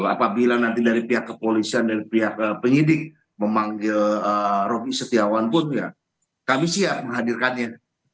apabila nanti dari pihak kepolisian dari pihak penyidik memanggil rocky setiawan pun ya kami siap menghadirkannya